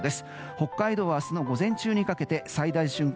北海道は明日の午前中にかけて最大瞬間